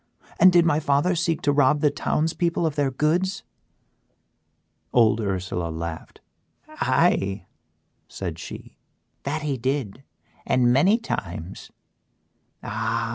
and did my father seek to rob the towns people of their goods?" Old Ursela laughed. "Aye," said she, "that he did and many times. Ah!